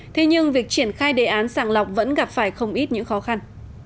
thế nhưng việc triển khai đề án sàng lọc vẫn gặp phải không ít những khó khăn